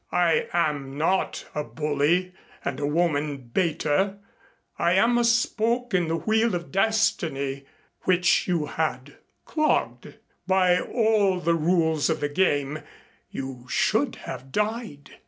I am not a bully and a woman baiter. I am a spoke in the wheel of destiny which you had clogged. By all the rules of the game you should have died.